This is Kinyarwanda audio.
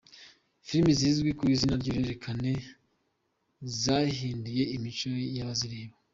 Filimi zizwi ku izina ryuruhererekane zahinduye imico y’abazireba